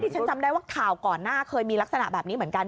ฉันจำได้ว่าข่าวก่อนหน้าเคยมีลักษณะแบบนี้เหมือนกัน